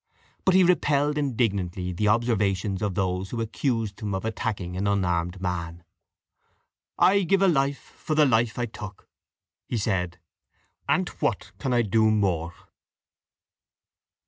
But he repelled indignantly the observations of those who accused him of attacking an unarmed man. "I give a life for the life I took," he said, "and what can I do more?"